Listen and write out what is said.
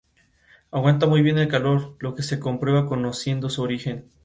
De esta manera, la sangre que llega al útero, tiene dificultades para ser evacuada.